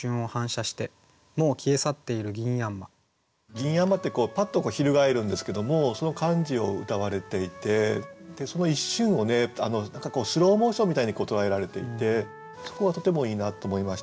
銀蜻蜒ってパッと翻るんですけどもその感じをうたわれていてその一瞬をスローモーションみたいに捉えられていてそこがとてもいいなと思いました。